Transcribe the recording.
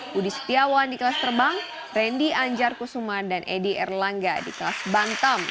budi setiawan di kelas terbang randy anjar kusuma dan edi erlangga di kelas bantam